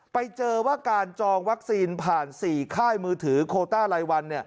ไปเจอว่าการจองวัคซีนผ่าน๔ค่ายมือถือโคต้ารายวัน